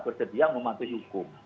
bersedia mematuhi hukum